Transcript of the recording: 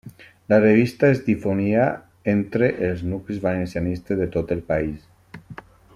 La revista es difonia entre els nuclis valencianistes de tot el país.